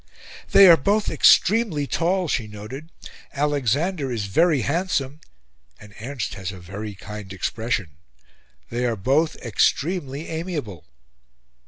"They are both EXTREMELY TALL," she noted, "Alexander is VERY HANDSOME, and Ernst has a VERY KIND EXPRESSION. They are both extremely AMIABLE."